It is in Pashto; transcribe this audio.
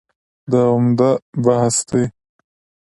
دا عمده بحث دی.